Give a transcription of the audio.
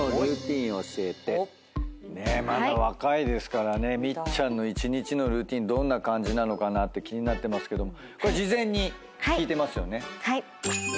まだ若いですからねみっちゃんの一日のルーティンどんな感じなのかなって気になってますけども事前に聞いてますよね。